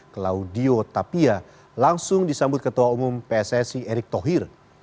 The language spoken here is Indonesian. claudio tapia langsung disambut ketua umum pssi erick thohir